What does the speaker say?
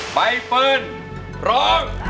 ใบเฟิร์นร้อง